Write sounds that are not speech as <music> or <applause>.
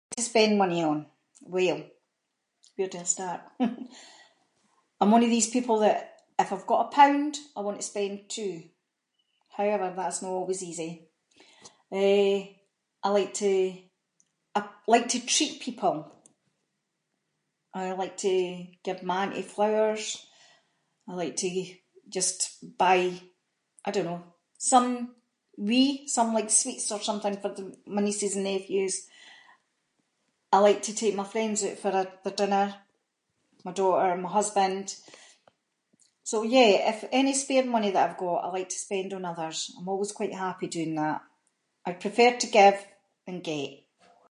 What do I spend money on? Well, where do I start. <laughs> I’m one of these people that if I’ve got a pound, I want to spend two. However, that’s no always easy. Eh, I like to- I like to treat people. I like to give my aunty flowers. I like to just buy- I don’t know, some wee- some like sweets or something for the- for my nieces and nephews. I like to take my friends out for a- their dinner, my daughter and my husband. So yeah, if any spare money that I’ve got, I like to spend on others. I’m always quite happy doing that. I prefer to give than get.